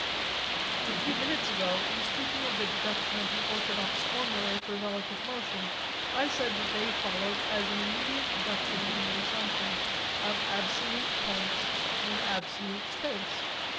A few minutes ago in speaking of the deduction of the orthodox formulae for relative motion I said that they followed as an immediate deduction from the assumption of absolute points in absolute space.